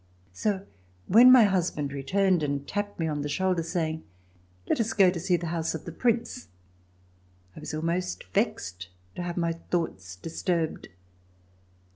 So when my husband returned and tapped me on the shoulder, saying, "Let us go to see the house of the Prince," I was almost vexed to have my thoughts disturbed.